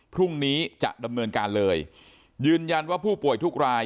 พรุ่งนี้จะดำเนินการเลยยืนยันว่าผู้ป่วยทุกราย